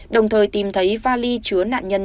đồng thời tìm thấy vali chứa nạn nhân